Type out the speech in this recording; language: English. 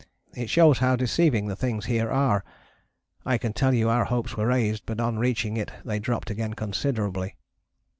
It shows how deceiving the things here are. I can tell you our hopes were raised, but on reaching it they dropped again considerably.